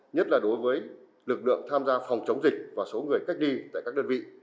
nhất là đối với lực lượng tham gia phòng chống dịch và số người cách ly tại các đơn vị